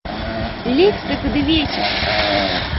Лекса кудывечыш!..